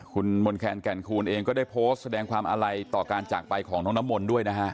คุณมนแคนแก่นคูณเองก็ได้โพสต์แสดงความอาลัยต่อการจากไปของน้องน้ำมนต์ด้วยนะฮะ